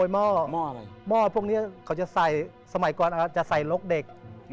หม้อพวกนี้เขาจะใส่สมัยก่อนจะใส่รกเด็จ